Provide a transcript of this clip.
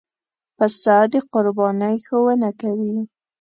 پسه د قربانۍ ښوونه کوي.